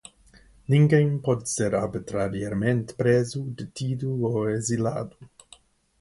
Ninguém pode ser arbitrariamente preso, detido ou exilado.